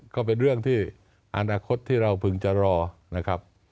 ก็เป็นเรื่องที่อนาคตที่เราพึงจะรอนะครับ